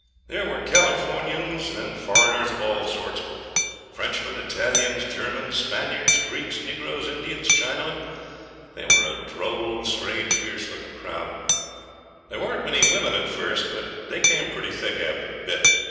There were Californians, then foreigners of all sorts Frenchmen, Italians, Germans, Spaniards, Greeks, Negroes, Indians, Chinamen. They were a droll, strange, fierce looking crowd. There weren't many women at first, but they came pretty thick after a bit.